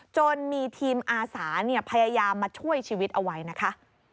จนมีทีมอาสาพยายามมาช่วยชีวิตเอาไว้นะคะ